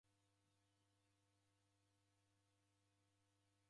Ndouduagha jela.